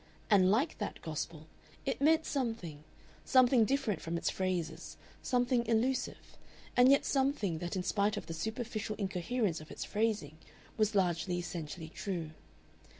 And like that gospel it meant something, something different from its phrases, something elusive, and yet something that in spite of the superficial incoherence of its phrasing, was largely essentially true.